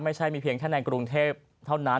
ไม่ใช่มีเพียงแค่ในกรุงเทพเท่านั้น